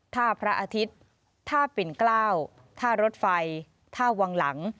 ท่าพระอาทิตย์ท่าปิ่นเกล้าท่ารถไฟท่าวังหลัง